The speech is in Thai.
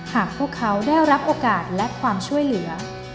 หากพวกเขาได้รับโอกาสและความช่วยเหลือ